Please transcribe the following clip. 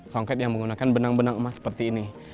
songket yang menggunakan benang benang emas seperti ini